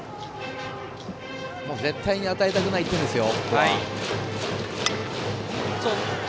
絶対に与えたくない１点ですよ。